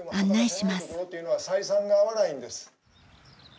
っていうのは採算が合わないんです。